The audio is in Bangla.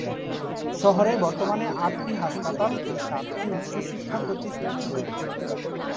শহরে বর্তমানে আটটি হাসপাতাল ও সাতটি উচ্চশিক্ষা প্রতিষ্ঠান রয়েছে।